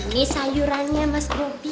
ini sayurannya mas bobi